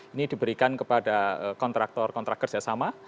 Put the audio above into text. ini diberikan kepada kontraktor kontrak kerjasama